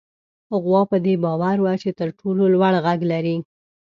غوا په دې باور وه چې تر ټولو لوړ غږ لري.